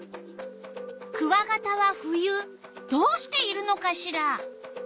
クワガタは冬どうしているのかしら？